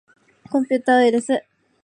コンピューターウイルス